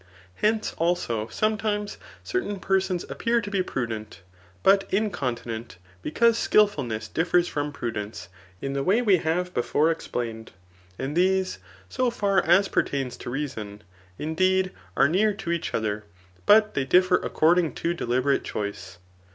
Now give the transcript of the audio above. Hence, also, sometimes certain persons appear to be prudent, but incontinent, because skilfulness differs from prudence, in the way we have before explained { and these, so hr as pertains to reason, indeed, are near to each other, but they differ accordmg to deliberate choice.